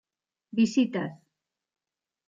Visitas